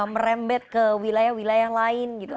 merembet ke wilayah wilayah lain gitu